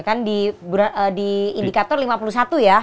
kan di indikator lima puluh satu ya